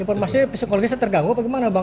informasinya psikologisnya terganggu apa gimana bang